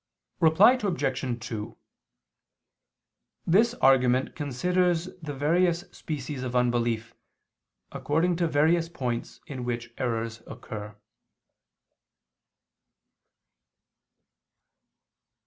Reply Obj. 2: This argument considers the various species of unbelief according to various points in which errors occur.